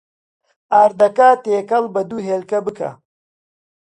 ئاردەکە تێکەڵ بە دوو هێلکە بکە.